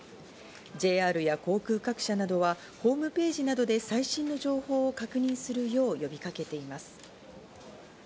ＪＲや航空各社などはホームページなどで最新の情報を確認するよう呼びかけています。